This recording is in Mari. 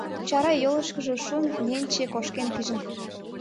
Чара йолышкыжо шун ненче кошкен пижын.